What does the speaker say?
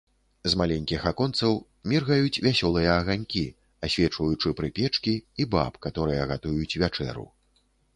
З маленькіх аконцаў міргаюць вясёлыя аганькі, асвечваючы прыпечкі і баб, каторыя гатуюць вячэру.